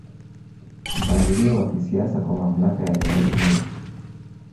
Mpangilio wa kisiasa kwa mamlaka ya jamii hiyo